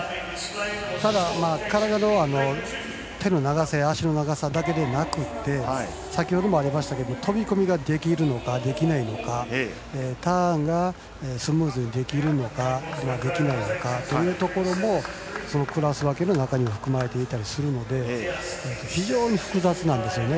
ただ、手の長さや足の長さだけじゃなく先ほどもありましたけど飛込みができるのかできないのかターンがスムーズにできるのかできないのかというところもクラス分けの中に含まれたりするので非常に複雑なんですよね。